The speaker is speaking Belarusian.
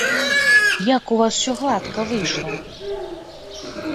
Як у вас усё гладка выйшла!